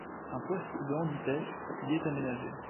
Un poste de handipêche y est aménagé.